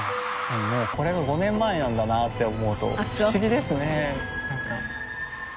もうこれも５年前なんだなって思うと不思議ですね。